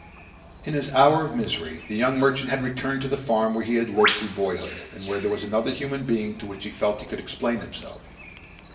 In his hour of misery the young merchant had returned to the farm where he had lived through boyhood and where there was another human being to whom he felt he could explain himself.